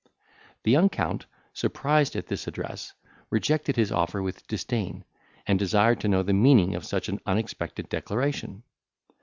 The young Count, surprised at this address, rejected his offer with disdain, and desired to know the meaning of such an unexpected declaration.